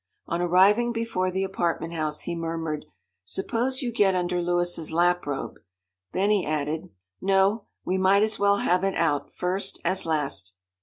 On arriving before the apartment house, he murmured, "Suppose you get under Louis' lap robe." Then he added, "No we might as well have it out first as last."